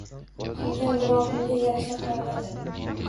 Qilgan gunohimga yarasha qarg`adi